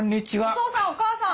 お父さんお母さん！